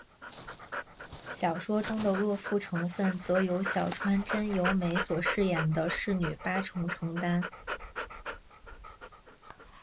小说中的恶妇成份则由小川真由美所饰演的侍女八重承担。